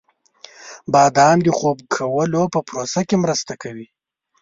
• بادام د خوب کولو په پروسه کې مرسته کوي.